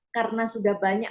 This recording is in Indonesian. karena sudah banyak